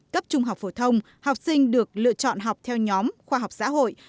cấp trung học phổ thông học sinh được lựa chọn học theo nhóm khoa học xã hội